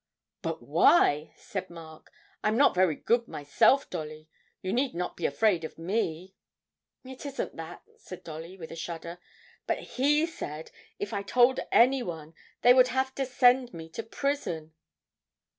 'But why?' said Mark. 'I'm not very good myself, Dolly you need not be afraid of me.' 'It isn't that,' said Dolly, with a shudder; 'but he said if I told anyone they would have to send me to prison.'